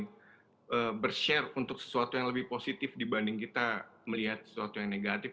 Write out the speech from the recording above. kita bershare untuk sesuatu yang lebih positif dibanding kita melihat sesuatu yang negatif